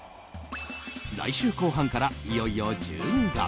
来週後半から、いよいよ１２月。